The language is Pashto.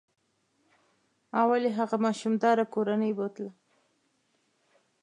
اول یې هغه ماشوم داره کورنۍ بوتله.